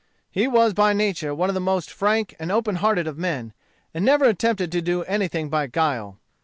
He was by nature one of the most frank and open hearted of men, and never attempted to do anything by guile.